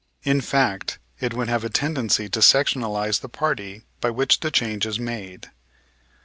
In fact, it would have a tendency to sectionalize the party by which the change is made.